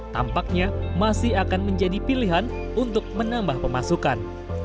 tampaknya masih akan menjadi pilihan untuk menambah pemasukan